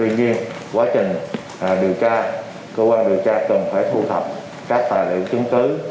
nhưng quá trình điều tra công an điều tra cần phải thu thập các tài liệu chứng cứ